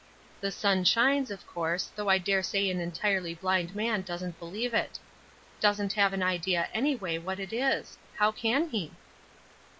The sun shines, of course, though I dare say an entirely blind man doesn't believe it. Doesn't have an idea anyway what it is how can he?"